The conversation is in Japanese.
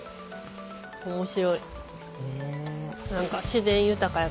面白い。